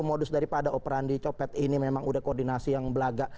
modus daripada operandi copet ini memang udah koordinasi yang belagak